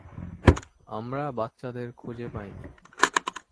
আমরা বাচ্চাদের খুঁজে পাইনি।